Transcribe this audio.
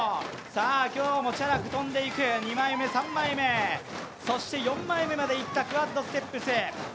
今日もチャラく跳んでいく、２枚目、３枚目、そして４枚目までいったクワッドステップス。